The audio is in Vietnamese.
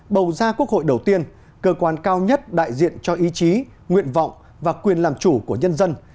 bầu ra quốc hội đầu tiên cơ quan cao nhất đại diện cho ý chí nguyện vọng và quyền làm chủ của nhân dân